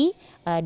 namun sekali lagi